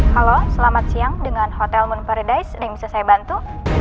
halo selamat siang dengan hotel moon paradise yang bisa saya bantu